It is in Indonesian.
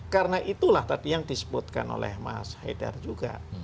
karena itulah tadi yang disebutkan oleh mas haidar juga